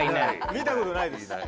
見たことないです。